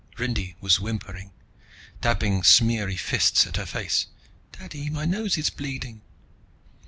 Rindy was whimpering, dabbing smeary fists at her face. "Daddy, my nose is bleeding...."